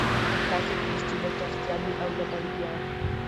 داسي پولیس چې نه چرسیان وي او نه بنګیان